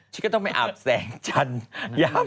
ฉันก็ต้องไปอาบแสงจันทร์